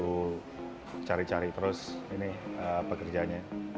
lalu cari cari terus ini pekerjaannya